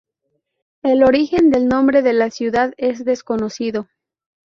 El origen del nombre de la ciudad es desconocido.